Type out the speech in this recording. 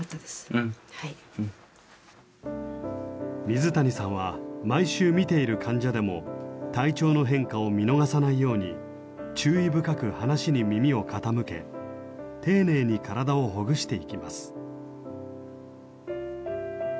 水谷さんは毎週診ている患者でも体調の変化を見逃さないように注意深く話に耳を傾け丁寧に体をほぐしていきます。